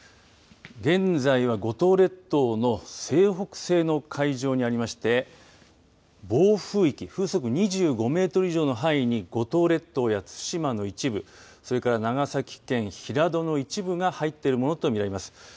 現在は、五島列島の西北西の海上にありまして暴風域風速２５メートル以上の範囲に五島列島や対馬の一部それから長崎県平戸の一部が入っているものと見られます。